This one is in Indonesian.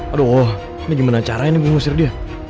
aduh ini gimana caranya gue ngusir dia